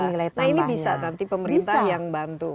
nah ini bisa nanti pemerintah yang bantu